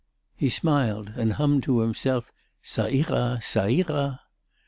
He smiled and hummed to himself: "_Ça ira! ça ira!...